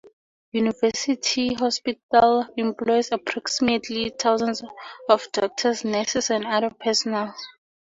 University hospital employs approximately thousand of doctors, nurses and other personal.